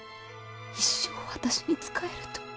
一生私に仕えると。